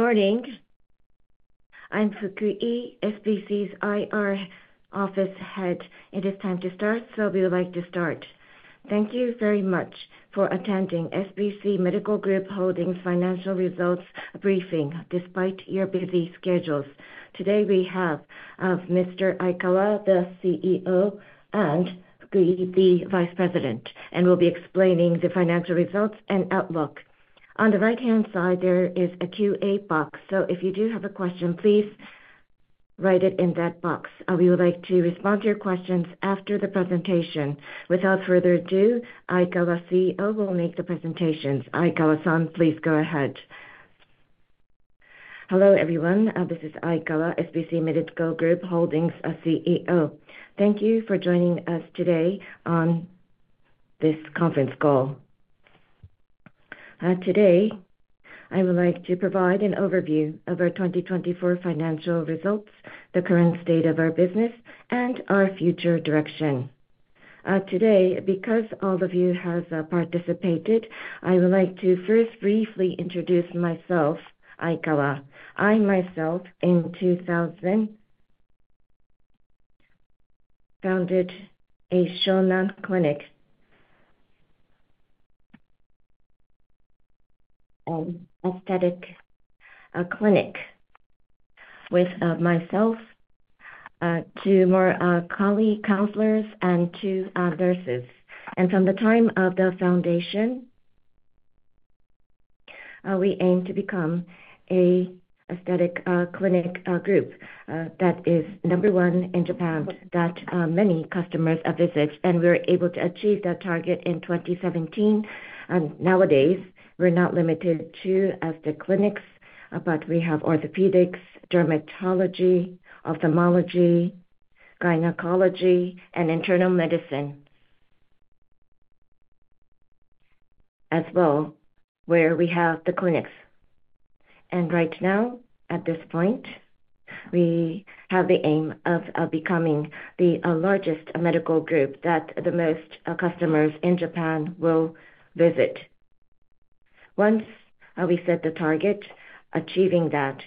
Good morning. I'm Fukui, SBC's IR Office Head. It is time to start. We would like to start. Thank you very much for attending SBC Medical Group Holdings' financial results briefing despite your busy schedules. Today we have Mr. Aikawa, the CEO, and Fukui, the Vice President, and we'll be explaining the financial results and outlook. On the right-hand side, there is a Q&A box, so if you do have a question, please write it in that box. We would like to respond to your questions after the presentation. Without further ado, Aikawa, CEO, will make the presentations. Aikawa, please go ahead. Hello, everyone. This is Aikawa, SBC Medical Group Holdings' CEO. Thank you for joining us today on this conference call. Today, I would like to provide an overview of our 2024 financial results, the current state of our business, and our future direction. Today, because all of you have participated, I would like to first briefly introduce myself, Aikawa. I, myself, in 2000, founded a Shonan clinic, an aesthetic clinic, with myself, two more colleague counselors, and two nurses. From the time of the foundation, we aimed to become an aesthetic clinic group that is number one in Japan, that many customers visit, and we were able to achieve that target in 2017. Nowadays, we're not limited to aesthetic clinics, but we have orthopedics, dermatology, ophthalmology, gynecology, and internal medicine as well, where we have the clinics. Right now, at this point, we have the aim of becoming the largest medical group that the most customers in Japan will visit. Once we set the target, achieving that,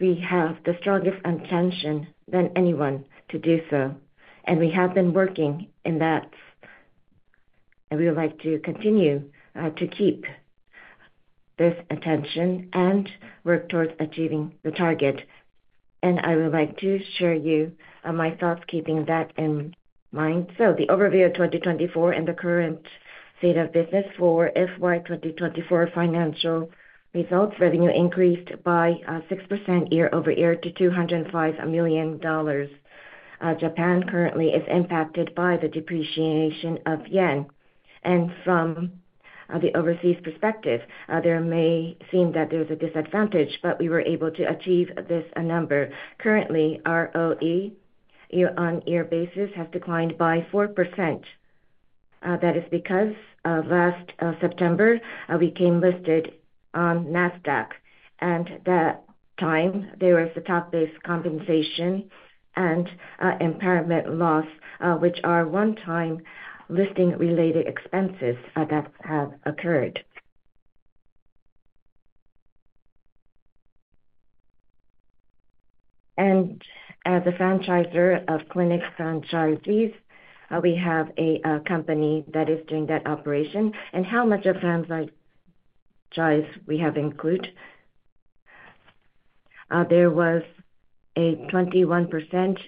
we have the strongest intention than anyone to do so. We have been working in that, and we would like to continue to keep this intention and work towards achieving the target. I would like to share with you my thoughts, keeping that in mind. The overview of 2024 and the current state of business for FY 2024 financial results: revenue increased by 6% year over year to $205 million. Japan currently is impacted by the depreciation of yen. From the overseas perspective, there may seem that there's a disadvantage, but we were able to achieve this number. Currently, ROE, year-on-year basis, has declined by 4%. That is because last September, we came listed on NASDAQ, and at that time, there was the stock-based compensation and impairment loss, which are one-time listing-related expenses that have occurred. As a franchisor of clinic franchisees, we have a company that is doing that operation. How much of franchise we have include? There was a 21%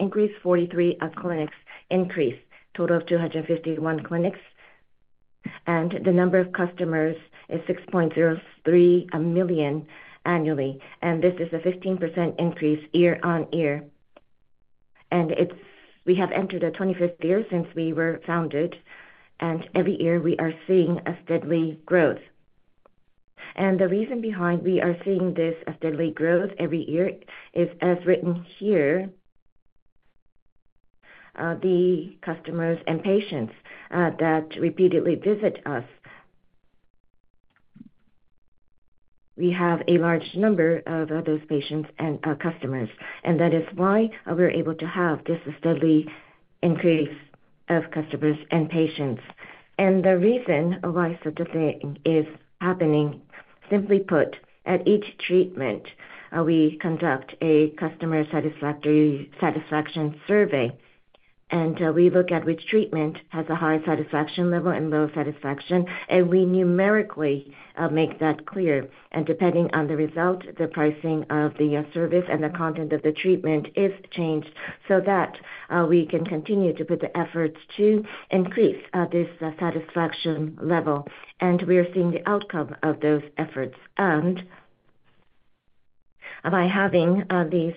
increase, 43 clinics increase, total of 251 clinics. The number of customers is 6.03 million annually. This is a 15% increase year-on-year. We have entered the 25th year since we were founded, and every year we are seeing a steady growth. The reason behind we are seeing this steady growth every year is, as written here, the customers and patients that repeatedly visit us. We have a large number of those patients and customers, and that is why we're able to have this steady increase of customers and patients. The reason why such a thing is happening, simply put, at each treatment, we conduct a customer satisfaction survey, and we look at which treatment has a high satisfaction level and low satisfaction, and we numerically make that clear. Depending on the result, the pricing of the service and the content of the treatment is changed so that we can continue to put the efforts to increase this satisfaction level. We are seeing the outcome of those efforts. By having these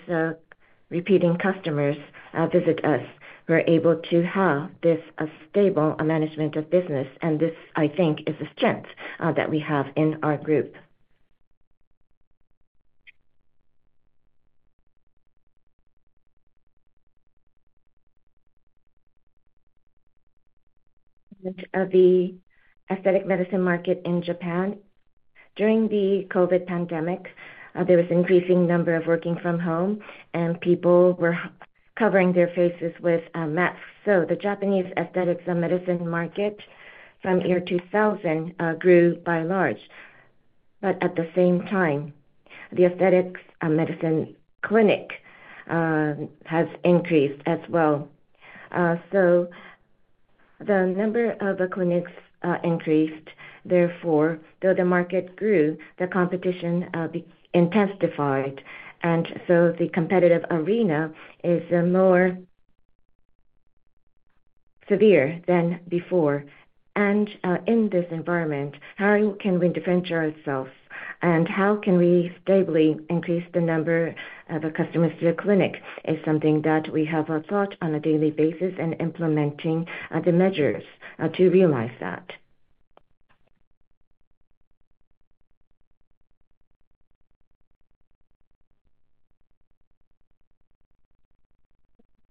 repeating customers visit us, we're able to have this stable management of business, and this, I think, is a strength that we have in our group. The aesthetic medicine market in Japan. During the COVID pandemic, there was an increasing number of working from home, and people were covering their faces with masks. The Japanese aesthetic medicine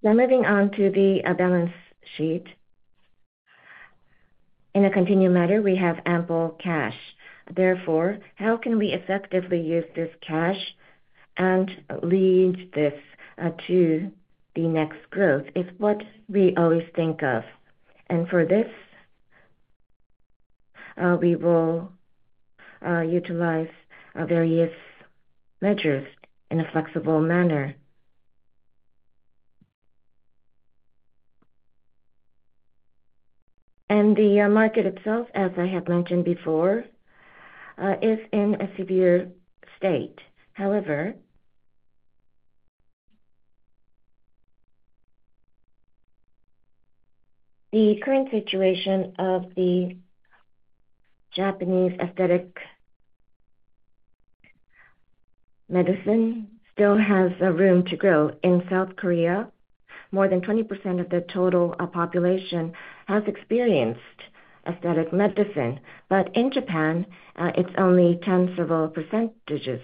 For this, we will utilize various measures in a flexible manner. The market itself, as I have mentioned before, is in a severe state. However, the current situation of the Japanese aesthetic medicine still has room to grow. In South Korea, more than 20% of the total population has experienced aesthetic medicine, but in Japan, it's only 10% several percentages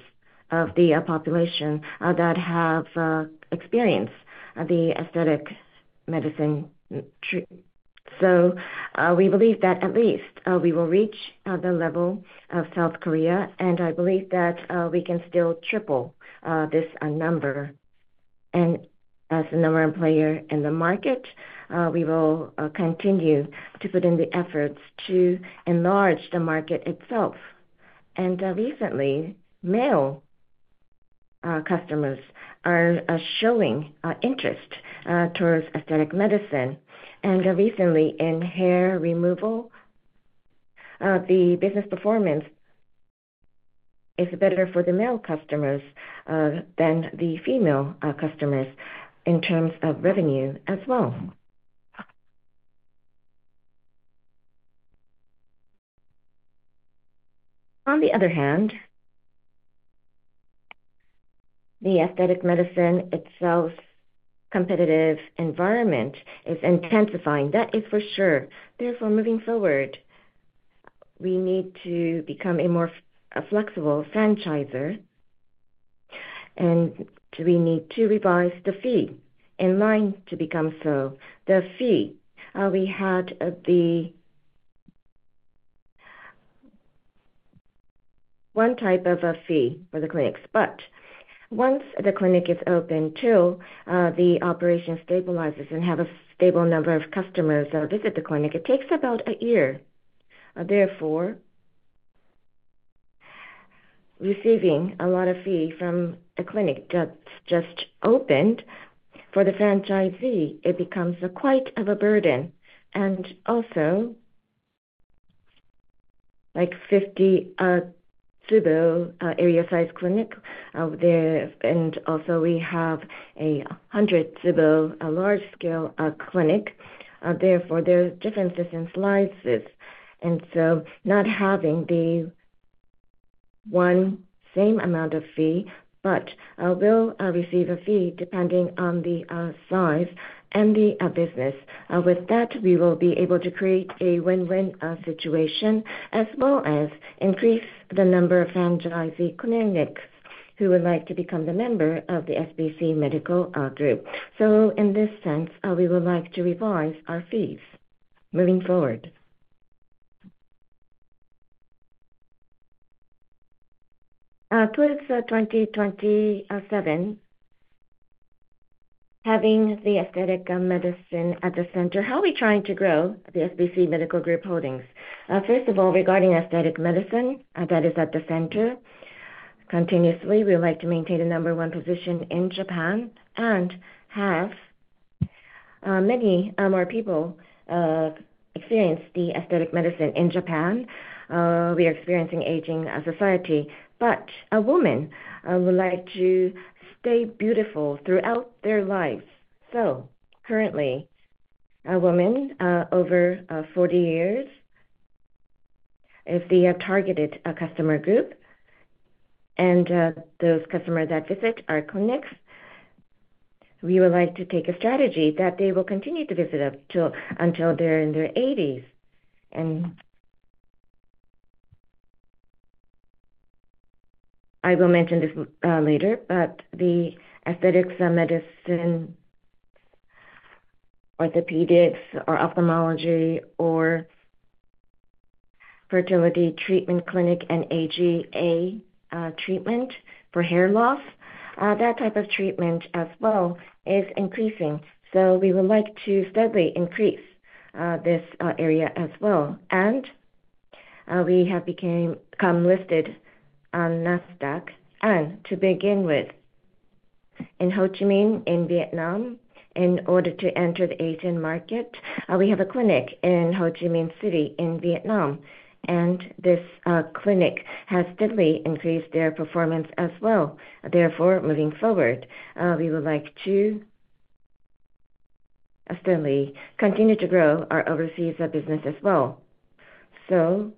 of the population that have experienced the aesthetic medicine treatment. We believe that at least we will reach the level of South Korea, and I believe that we can still triple this number. As a number one player in the market, we will continue to put in the efforts to enlarge the market itself. Recently, male customers are showing interest towards aesthetic medicine. Recently, in hair removal, the business performance is better for the male customers than the female customers in terms of revenue as well. On the other hand, the aesthetic medicine itself's competitive environment is intensifying. That is for sure. Therefore, moving forward, we need to become a more flexible franchisor, and we need to revise the fee in line to become so. The fee, we had the one type of a fee for the clinics, but once the clinic is open till the operation stabilizes and has a stable number of customers that visit the clinic, it takes about a year. Therefore, receiving a lot of fee from a clinic that's just opened for the franchisee, it becomes quite a burden. Also, like 50 tsubo area-sized clinics, and also we have a 100 tsubo large-scale clinic. Therefore, there are differences in sizes. Not having the one same amount of fee, but we'll receive a fee depending on the size and the business. With that, we will be able to create a win-win situation as well as increase the number of franchisee clinics who would like to become the member of the SBC Medical Group. In this sense, we would like to revise our fees moving forward. Towards 2027, having the aesthetic medicine at the center, how are we trying to grow the SBC Medical Group Holdings? First of all, regarding aesthetic medicine, that is at the center. Continuously, we would like to maintain the number one position in Japan and have many more people experience the aesthetic medicine in Japan. We are experiencing aging society, but a woman would like to stay beautiful throughout their lives. Currently, a woman over 40 years, if they have targeted a customer group and those customers that visit our clinics, we would like to take a strategy that they will continue to visit until they're in their 80s. I will mention this later, but the aesthetic medicine, orthopedics, or ophthalmology, or fertility treatment clinic, and AGA treatment for hair loss, that type of treatment as well is increasing. We would like to steadily increase this area as well. We have become listed on NASDAQ. To begin with, in Ho Chi Minh in Vietnam, in order to enter the Asian market, we have a clinic in Ho Chi Minh City in Vietnam. This clinic has steadily increased their performance as well. Therefore, moving forward, we would like to steadily continue to grow our overseas business as well. The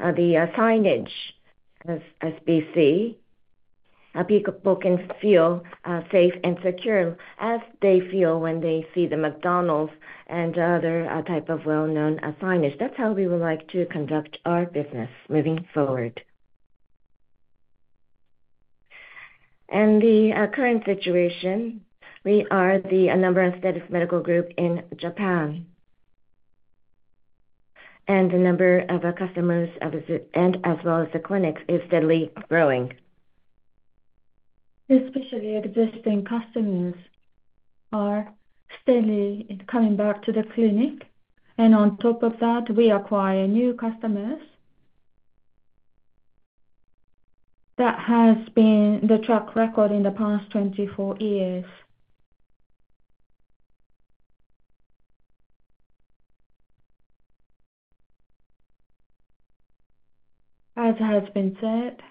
signage as SBC, people can feel safe and secure as they feel when they see the McDonald's and other types of well-known signage. That is how we would like to conduct our business moving forward. In the current situation, we are the number one aesthetic medical group in Japan. The number of customers as well as the clinics is steadily growing. Especially existing customers are steadily coming back to the clinic. On top of that, we acquire new customers. That has been the track record in the past 24 years. As has been said,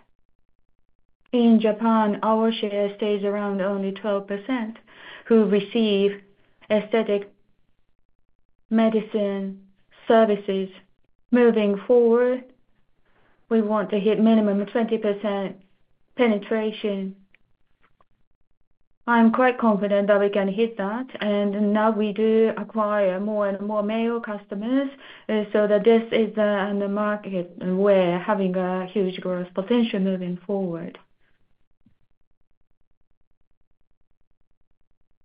in Japan, our share stays around only 12% who receive aesthetic medicine services. Moving forward, we want to hit minimum 20% penetration. I'm quite confident that we can hit that. Now we do acquire more and more male customers. This is the market we're having a huge growth potential moving forward.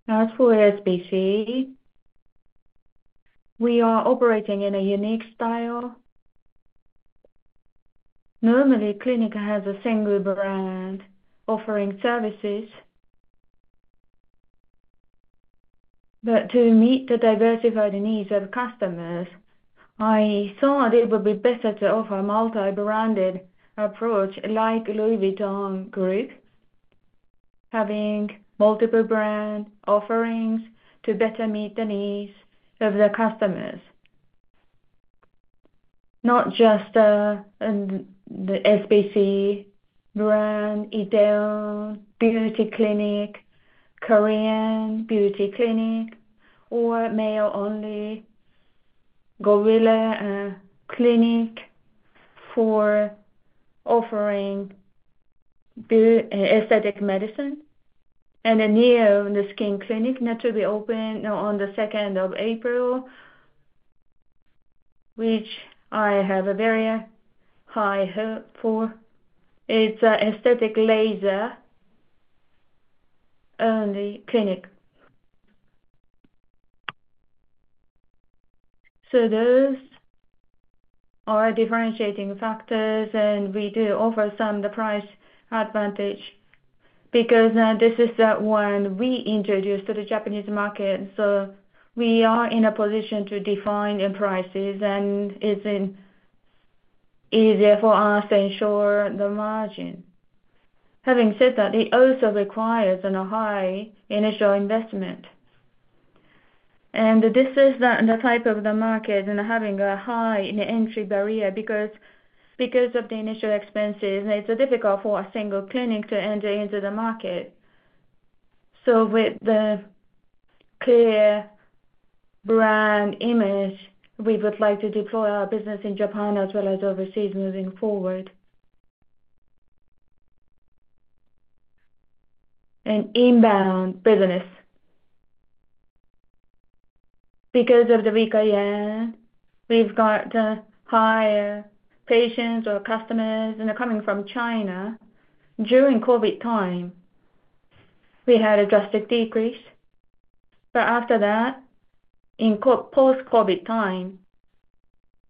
As for SBC, we are operating in a unique style. Normally, a clinic has a single brand offering services. To meet the diversified needs of customers, I thought it would be better to offer a multi-branded approach like Louis Vuitton Group, having multiple brand offerings to better meet the needs of the customers. Not just the SBC brand, Idea Beauty Clinic, Korean Beauty Clinic, or male-only Gorilla Clinic for offering aesthetic medicine. A Neon Skin Clinic that will be open on the 2nd of April, which I have a very high hope for. It's an aesthetic laser-only clinic. Those are differentiating factors, and we do offer some price advantage because this is when we introduce to the Japanese market. We are in a position to define prices, and it's easier for us to ensure the margin. Having said that, it also requires a high initial investment. This is the type of the market and having a high entry barrier because of the initial expenses. It's difficult for a single clinic to enter into the market. With the clear brand image, we would like to deploy our business in Japan as well as overseas moving forward. Inbound business. Because of the weak yen, we've got higher patients or customers coming from China. During COVID time, we had a drastic decrease. After that, in post-COVID time,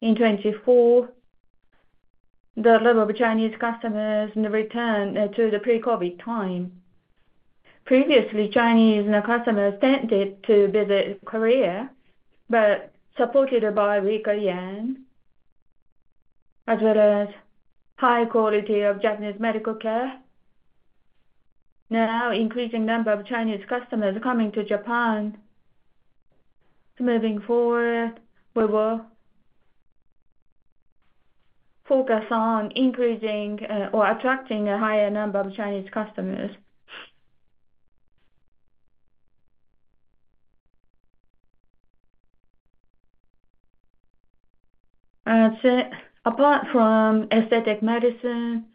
in 2024, the level of Chinese customers returned to the pre-COVID time. Previously, Chinese customers tended to visit South Korea, but supported by weak yen, as well as high quality of Japanese medical care. Now, increasing number of Chinese customers coming to Japan. Moving forward, we will focus on increasing or attracting a higher number of Chinese customers. Apart from aesthetic medicine,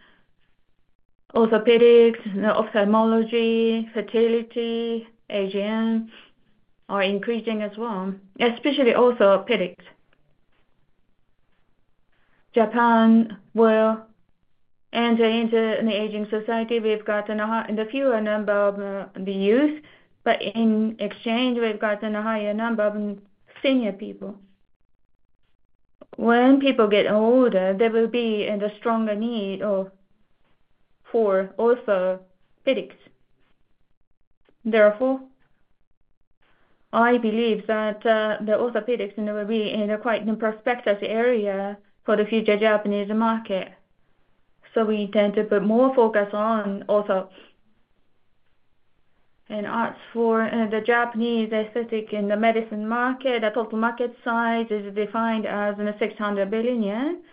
orthopedics, ophthalmology, fertility, AGA are increasing as well, especially orthopedics. Japan will enter into an aging society. We've gotten a fewer number of youth, but in exchange, we've gotten a higher number of senior people. When people get older, there will be a stronger need for orthopedics. Therefore, I believe that the orthopedics will be in a quite prospective area for the future Japanese market. We tend to put more focus on ortho. As for the Japanese aesthetic medicine market, the total market size is defined as 600 billion yen.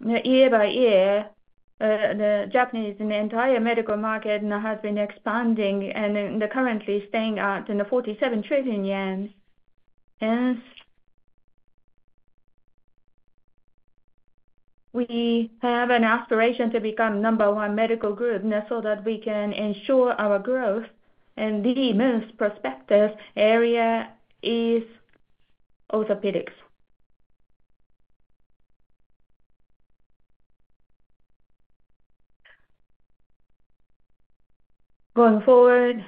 Year by year, the Japanese entire medical market has been expanding and currently staying at 47 trillion yen. We have an aspiration to become number one medical group so that we can ensure our growth. The most prospective area is orthopedics. Going forward,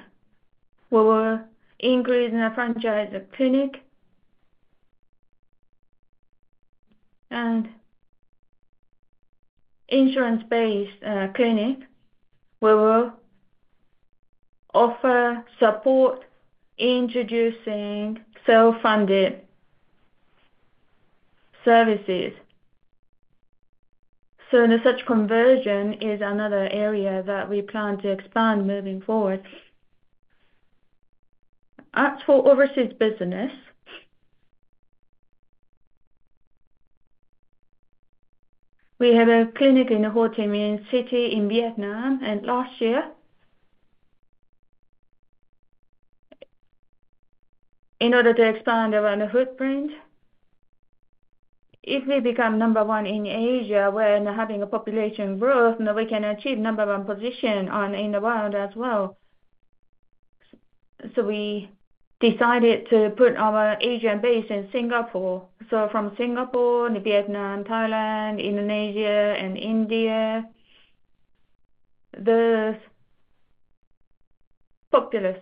we will increase the franchise of clinic and insurance-based clinic. We will offer support introducing self-funded services. Such conversion is another area that we plan to expand moving forward. As for overseas business, we have a clinic in Ho Chi Minh City in Vietnam. Last year, in order to expand our footprint, if we become number one in Asia, we're having a population growth, and we can achieve number one position in the world as well. We decided to put our Asian base in Singapore. From Singapore, Vietnam, Thailand, Indonesia, and India, those populous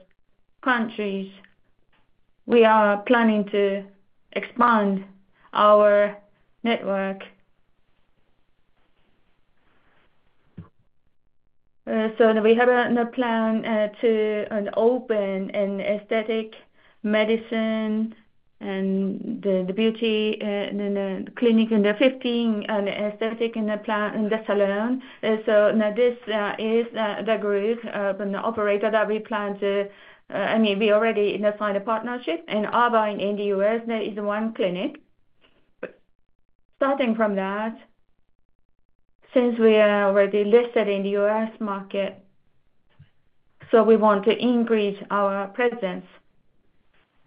countries, we are planning to expand our network. We have a plan to open an aesthetic medicine and beauty clinic in 2025 and aesthetic in the salon. This is the group, the operator that we plan to, I mean, we already signed a partnership and Ava in the U.S., there is one clinic. Starting from that, since we are already listed in the U.S. market, we want to increase our presence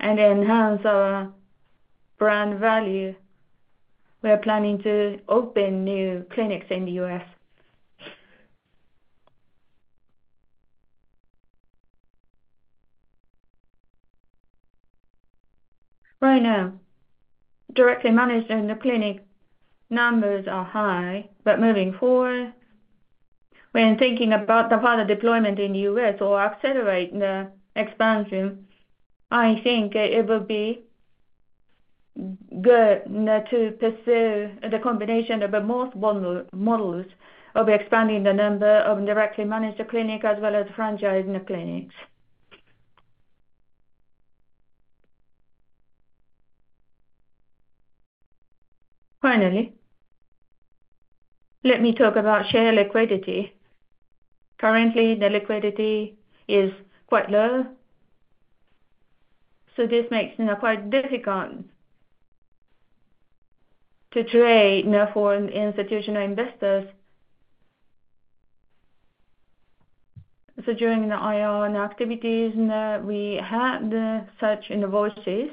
and enhance our brand value. We're planning to open new clinics in the U.S. Right now, directly managing the clinic numbers are high, but moving forward, when thinking about the further deployment in the U.S. or accelerating the expansion, I think it would be good to pursue the combination of both models of expanding the number of directly managed clinics as well as franchise clinics. Finally, let me talk about share liquidity. Currently, the liquidity is quite low. This makes it quite difficult to trade for institutional investors. During the IR and activities, we had such voices,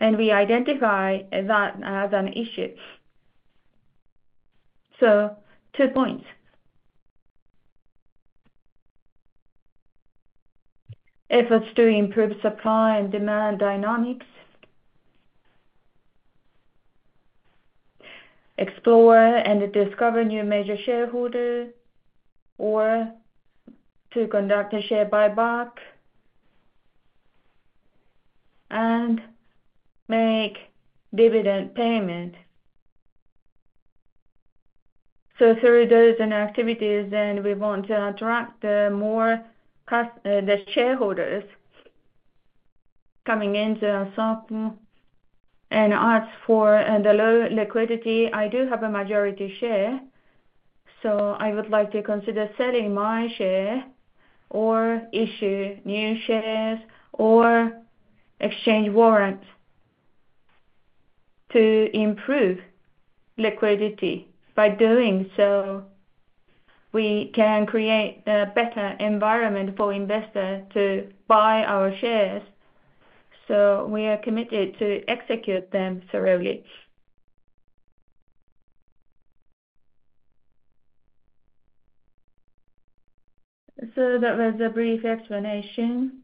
and we identify that as an issue. Two points. Efforts to improve supply and demand dynamics, explore and discover new major shareholders, or to conduct a share buyback and make dividend payments. Through those activities, we want to attract more shareholders coming into our software. As for the low liquidity, I do have a majority share. I would like to consider selling my share or issue new shares or exchange warrants to improve liquidity. By doing so, we can create a better environment for investors to buy our shares. We are committed to execute them thoroughly. That was a brief explanation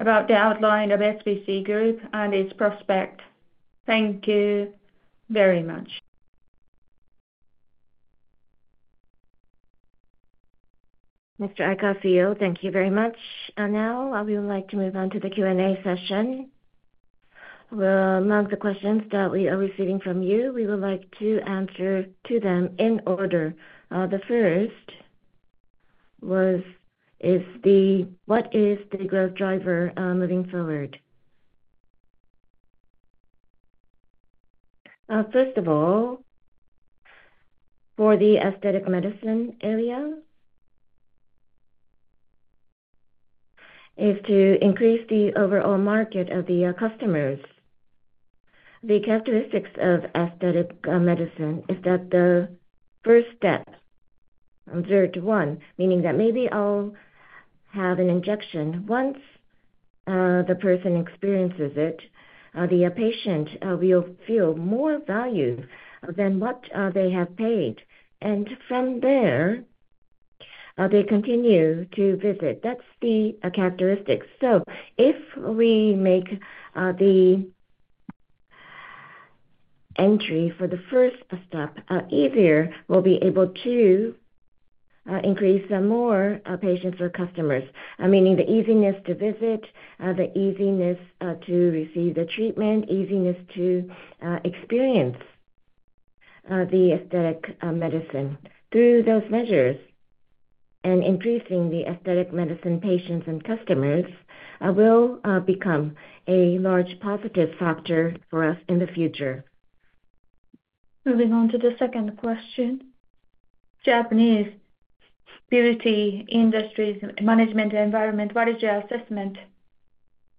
about the outline of SBC Medical Group Holdings and its prospect. Thank you very much. Mr. Aikawa, thank you very much. Now, I would like to move on to the Q&A session. Among the questions that we are receiving from you, we would like to answer to them in order. The first is, what is the growth driver moving forward? First of all, for the aesthetic medicine area, is to increase the overall market of the customers. The characteristics of aesthetic medicine is that the first step, zero to one, meaning that maybe I'll have an injection. Once the person experiences it, the patient will feel more value than what they have paid. From there, they continue to visit. That's the characteristics. If we make the entry for the first step easier, we'll be able to increase more patients or customers, meaning the easiness to visit, the easiness to receive the treatment, easiness to experience the aesthetic medicine. Through those measures and increasing the aesthetic medicine patients and customers, we'll become a large positive factor for us in the future. Moving on to the second question. Japanese beauty industry management environment, what is your assessment?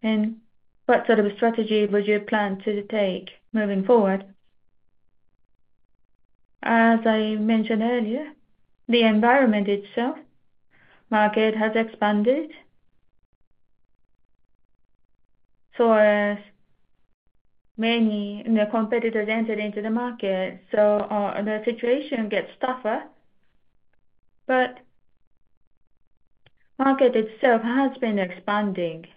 What sort of a strategy would you plan to take moving forward? As I mentioned earlier, the environment itself, market has expanded. Many competitors entered into the market. The situation gets tougher. The market itself has been expanding.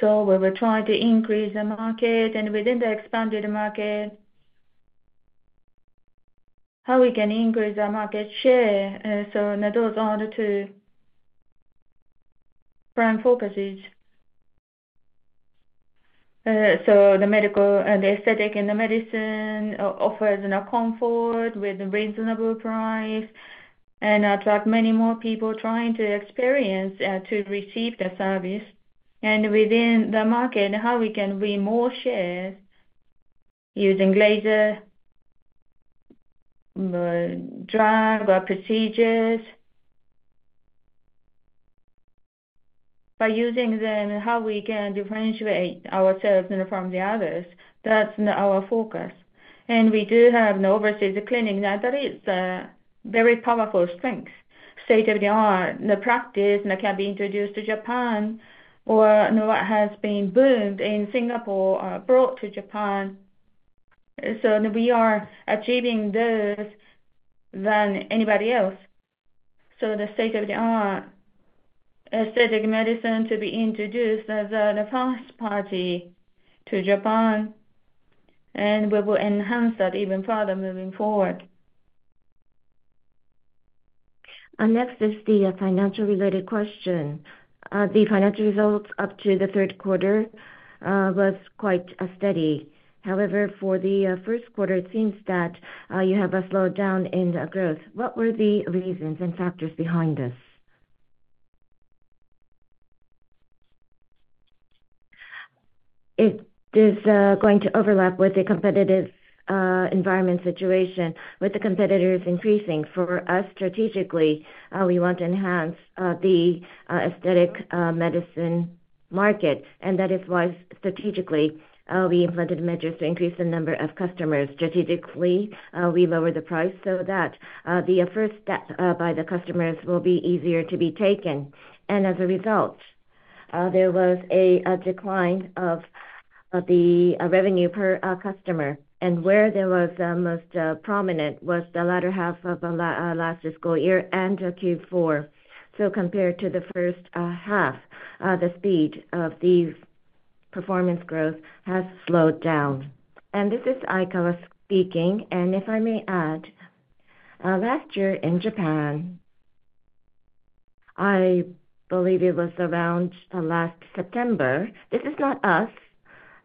We will try to increase the market. Within the expanded market, how we can increase our market share. Those are the two prime focuses. The medical and the aesthetic and the medicine offers comfort with a reasonable price and attract many more people trying to experience to receive the service. Within the market, how we can win more shares using laser drug procedures. By using them, how we can differentiate ourselves from the others. That is our focus. We do have an overseas clinic that is a very powerful strength, state of the art. The practice can be introduced to Japan or what has been boomed in Singapore brought to Japan. We are achieving those than anybody else. The state of the art aesthetic medicine to be introduced as a first party to Japan. We will enhance that even further moving forward. Next is the financial-related question. The financial results up to the third quarter was quite steady. However, for the first quarter, it seems that you have a slowdown in growth. What were the reasons and factors behind this? It is going to overlap with the competitive environment situation with the competitors increasing. For us, strategically, we want to enhance the aesthetic medicine market. That is why strategically we implemented measures to increase the number of customers. Strategically, we lowered the price so that the first step by the customers will be easier to be taken. As a result, there was a decline of the revenue per customer. Where this was most prominent was the latter half of last fiscal year and Q4. Compared to the first half, the speed of the performance growth has slowed down. This is Aikawa speaking. If I may add, last year in Japan, I believe it was around last September. This is not us,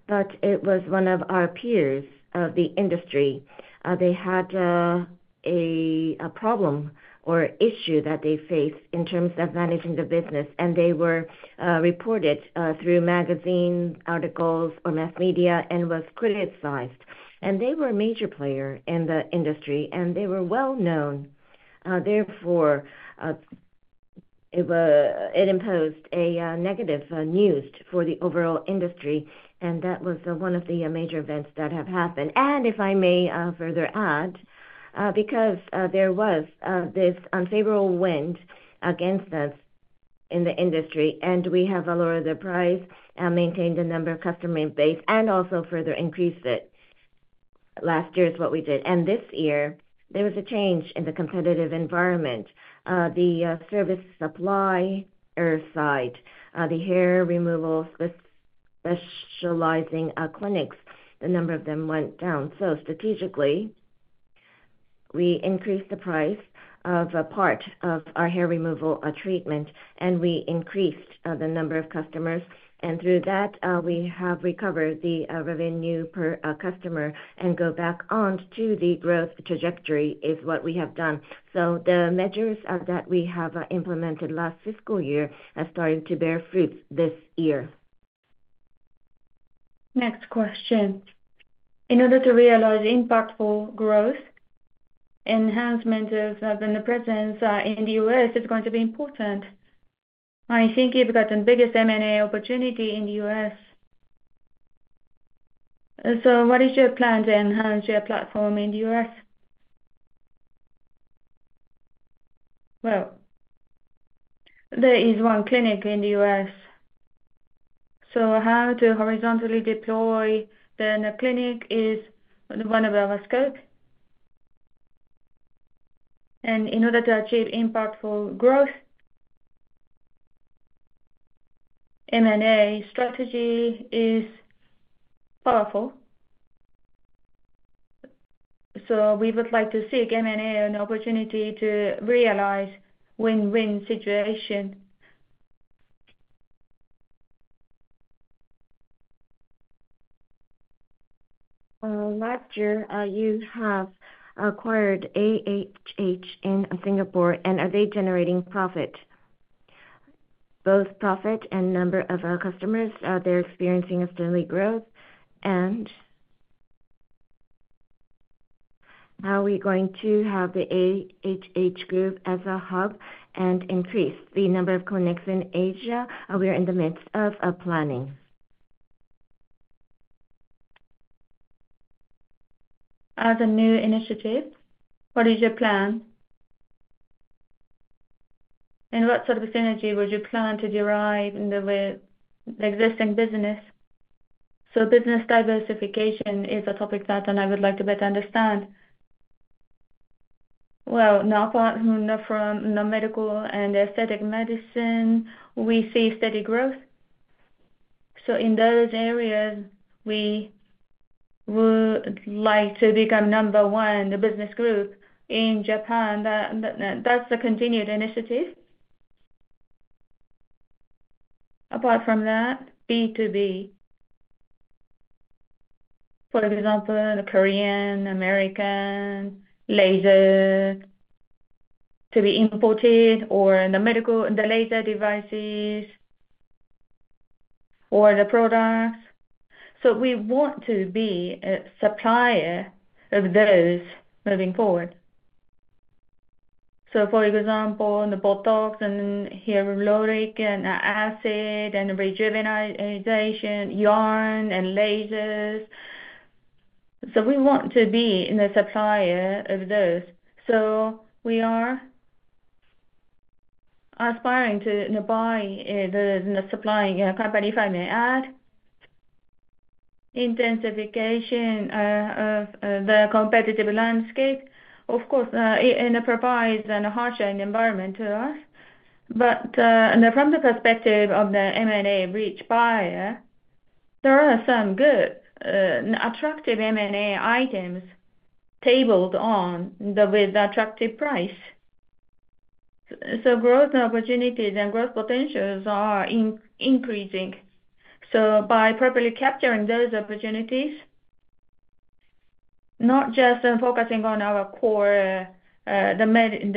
but it was one of our peers in the industry. They had a problem or issue that they faced in terms of managing the business. They were reported through magazine articles or mass media and were criticized. They were a major player in the industry. They were well known. Therefore, it imposed negative news for the overall industry. That was one of the major events that have happened. If I may further add, because there was this unfavorable wind against us in the industry, we have lowered the price, maintained the number of customer base, and also further increased it. Last year is what we did. This year, there was a change in the competitive environment. The service supplier side, the hair removal specializing clinics, the number of them went down. Strategically, we increased the price of a part of our hair removal treatment. We increased the number of customers. Through that, we have recovered the revenue per customer and go back on to the growth trajectory is what we have done. The measures that we have implemented last fiscal year are starting to bear fruit this year. Next question. In order to realize impactful growth, enhancement of the presence in the U.S. is going to be important. I think you've got the biggest M&A opportunity in the U.S. What is your plan to enhance your platform in the U.S.? There is one clinic in the U.S. How to horizontally deploy the clinic is one of our scopes. In order to achieve impactful growth, M&A strategy is powerful. We would like to seek M&A an opportunity to realize win-win situation. Last year, you have acquired AHH in Singapore. Are they generating profit? Both profit and number of our customers, they're experiencing a steady growth. How are we going to have the AHH group as a hub and increase the number of clinics in Asia? We are in the midst of planning. As a new initiative, what is your plan? What sort of synergy would you plan to derive with the existing business? Business diversification is a topic that I would like to better understand. Not far from medical and aesthetic medicine, we see steady growth. In those areas, we would like to become number one, the business group in Japan. That is a continued initiative. Apart from that, B2B, for example, Korean, American, laser to be imported or the laser devices or the products. We want to be a supplier of those moving forward. For example, the Botox and hyaluronic acid and rejuvenation, yarn and lasers. We want to be the supplier of those. We are aspiring to buy the supplying company if I may add. Intensification of the competitive landscape, of course, it provides a harsh environment to us. From the perspective of the M&A reach buyer, there are some good attractive M&A items tabled on with attractive price. Growth opportunities and growth potentials are increasing. By properly capturing those opportunities, not just focusing on our core, the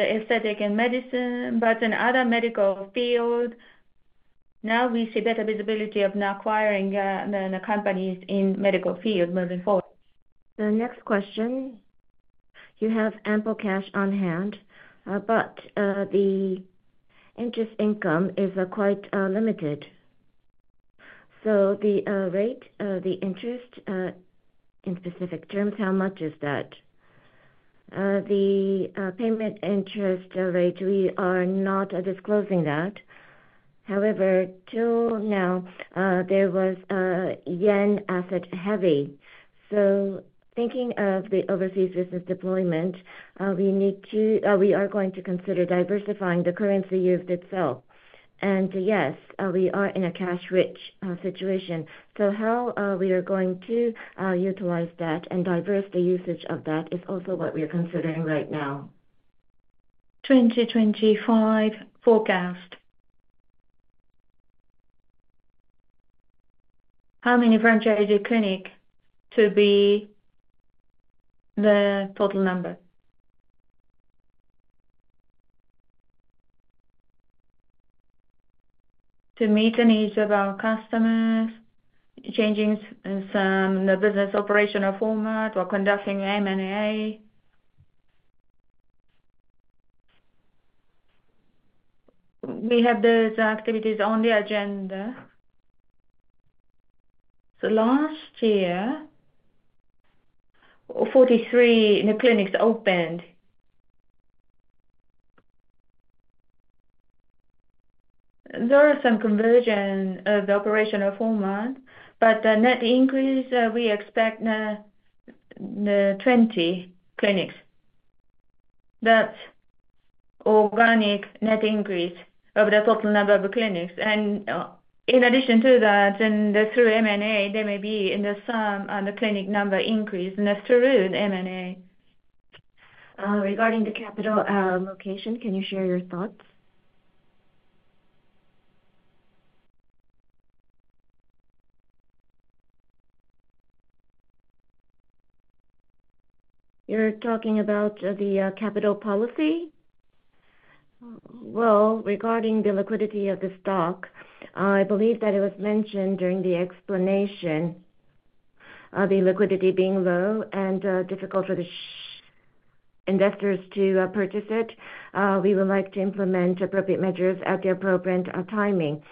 aesthetic and medicine, but in other medical fields, now we see better visibility of acquiring companies in medical fields moving forward. The next question. You have ample cash on hand, but the interest income is quite limited. The rate of the interest in specific terms, how much is that? The payment interest rate, we are not disclosing that. However, till now, there was a yen asset heavy. Thinking of the overseas business deployment, we are going to consider diversifying the currency used itself. Yes, we are in a cash-rich situation. How we are going to utilize that and diverse the usage of that is also what we're considering right now. 2025 forecast. How many franchise clinics to be the total number? To meet the needs of our customers, changing the business operational format or conducting M&A. We have those activities on the agenda. Last year, 43 clinics opened. There are some conversions of the operational format, but the net increase, we expect 20 clinics. That's organic net increase of the total number of clinics. In addition to that, through M&A, there may be some clinic number increase through M&A. Regarding the capital allocation, can you share your thoughts? You're talking about the capital policy? Regarding the liquidity of the stock, I believe that it was mentioned during the explanation of the liquidity being low and difficult for the investors to purchase it. We would like to implement appropriate measures at the appropriate timing.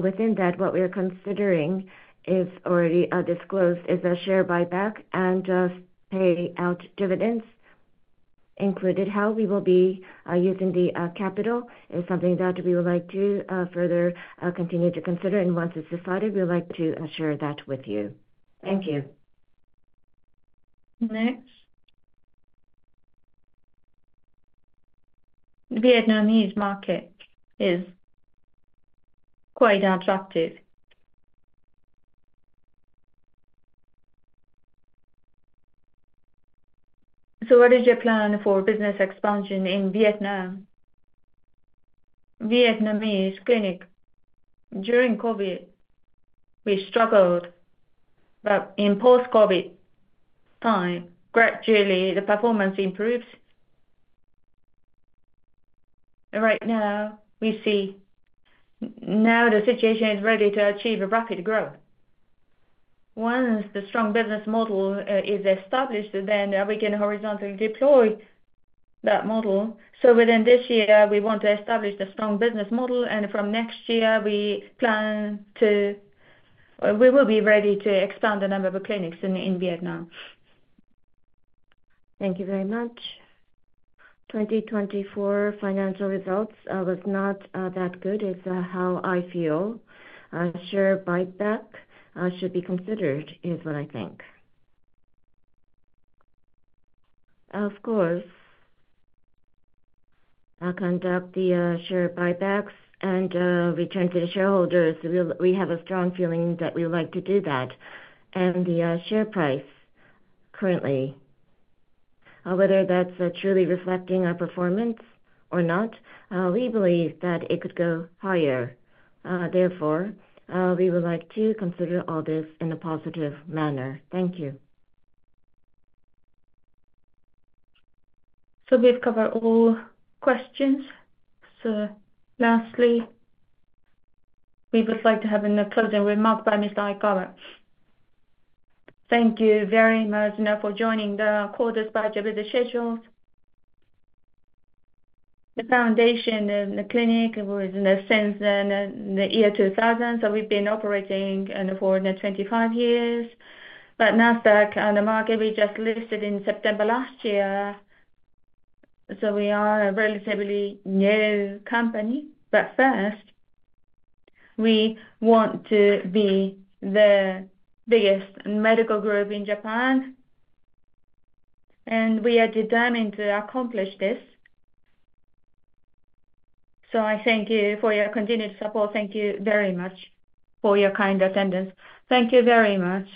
Within that, what we are considering is already disclosed is a share buyback and payout dividends included. How we will be using the capital is something that we would like to further continue to consider. Once it is decided, we would like to share that with you. Thank you. Next. Vietnamese market is quite attractive. What is your plan for business expansion in Vietnam? Vietnamese clinic. During COVID, we struggled. In post-COVID time, gradually the performance improves. Right now, we see now the situation is ready to achieve a rapid growth. Once the strong business model is established, we can horizontally deploy that model. Within this year, we want to establish the strong business model. From next year, we plan to we will be ready to expand the number of clinics in Vietnam. Thank you very much. 2024 financial results was not that good is how I feel. A share buyback should be considered is what I think. Of course, conduct the share buybacks and return to the shareholders. We have a strong feeling that we would like to do that. The share price currently, whether that's truly reflecting our performance or not, we believe that it could go higher. Therefore, we would like to consider all this in a positive manner. Thank you. We have covered all questions. Lastly, we would like to have a closing remark by Mr. Aikawa. Thank you very much for joining the call despite your busy schedules. The foundation of the clinic was in the sense in the year 2000. We have been operating for 25 years. Nasdaq and the market, we just listed in September last year. We are a relatively new company. First, we want to be the biggest medical group in Japan. We are determined to accomplish this. I thank you for your continued support. Thank you very much for your kind attendance. Thank you very much.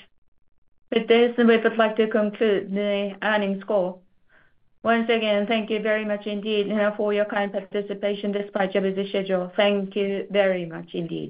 With this, we would like to conclude the earnings call. Once again, thank you very much indeed for your kind participation despite your busy schedule. Thank you very much indeed.